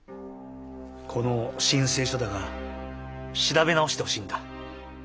この申請書だが調べ直してほしいんだ。